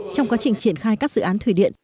trong quá trình triển khai các dự án thủy điện